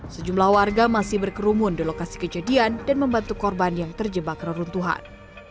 sejumlah warga masih berkerumun di lokasi kejadian dan membantu korban yang terjebak reruntuhan